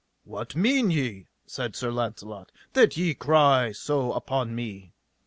What mean ye, said Sir Launcelot, that ye cry so upon me?